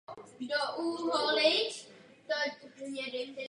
Každá společnost hraje na trhu svou úlohu.